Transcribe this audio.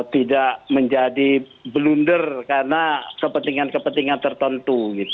tidak menjadi blunder karena kepentingan kepentingan tertentu